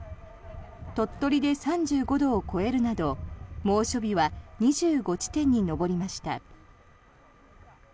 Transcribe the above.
鳥取で３５度を超えるなど猛暑日は２５地点に上りました。